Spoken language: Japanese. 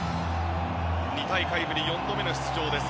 ２大会ぶり４度目の出場です。